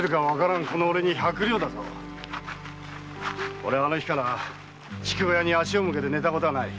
俺はあの日から筑後屋に足を向けて寝たことはない。